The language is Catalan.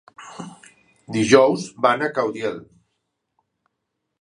Dijous van a Caudiel.